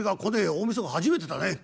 大みそか初めてだね。